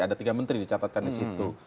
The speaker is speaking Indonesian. ada tiga menteri dicatatkan di situ